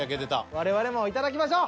我々もいただきましょう。